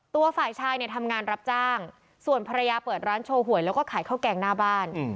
ฝ่ายชายเนี่ยทำงานรับจ้างส่วนภรรยาเปิดร้านโชว์หวยแล้วก็ขายข้าวแกงหน้าบ้าน